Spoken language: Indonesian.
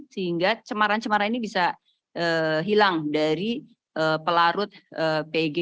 sehingga cemaran cemaran ini bisa hilang dari pelarut pom